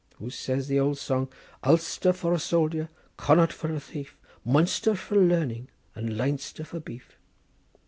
What says the old song? "'Ulster for a soldier Connaught for a thief, Munster for learning, And Leinster for beef.